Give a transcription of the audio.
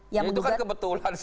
itu kan kebetulan